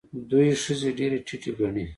دوی ښځې ډېرې ټیټې ګڼي.